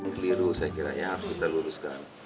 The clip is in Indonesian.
keliru saya kiranya harus kita luruskan